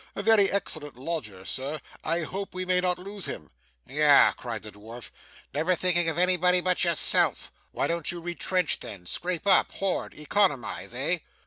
A very excellent lodger Sir. I hope we may not lose him.' 'Yah!' cried the dwarf. 'Never thinking of anybody but yourself why don't you retrench then scrape up, hoard, economise, eh?